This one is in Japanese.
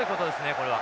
これは。